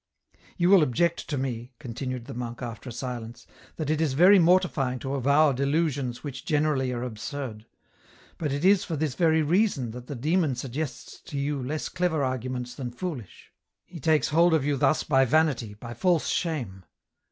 " You will object to me," continued the monk, after a silence, " that it is very mortifying to avow delusions which generally are absurd ; but it is for this very reason that the demon suggests to you less clever arguments than foolish. He takes hold of you thus by vanity, by false shame."